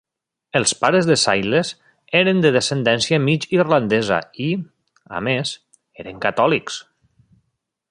Els pares de Sayles eren de descendència mig irlandesa i, a més, eren catòlics.